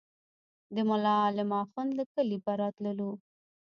د ملا عالم اخند له کلي به راتللو.